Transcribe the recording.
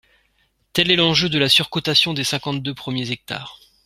Tel est l’enjeu de la surcotation des cinquante-deux premiers hectares